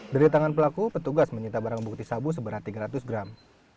dari tangan pelaku petugas menyita barang bukti sabu seberat tiga ratus gram